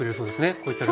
こういった料理。